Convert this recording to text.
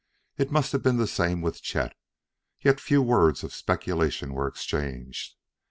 It must have been the same with Chet, yet few words of speculation were exchanged.